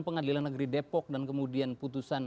pengadilan negeri depok dan kemudian putusan